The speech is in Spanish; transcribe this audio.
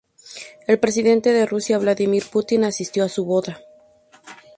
El presidente de Rusia, Vladímir Putin, asistió a su boda.